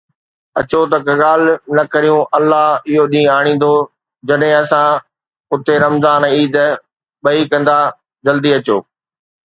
اچو ته ڪا ڳالهه نه ڪريو، الله اهو ڏينهن آڻيندو جڏهن اسان اتي رمضان ۽ عيد ٻئي ڪندا، جلدي اچو